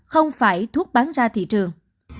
không phải thuốc bán ra thị trường